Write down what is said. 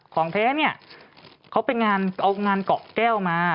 ของแท้นี่เขาเอางานเกาะแก้วมา